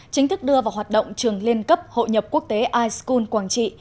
chính thức đưa vào hoạt động trường liên cấp hội nhập quốc tế ischool quảng trị